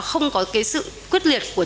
không có sự quyết liệt của chính quyền